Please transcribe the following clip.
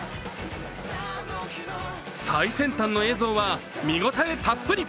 最先端の映像は、見応えたっぷり。